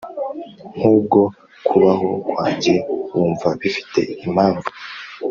Nk’ubwo kubaho kwanjye Wumva bifite impamvu?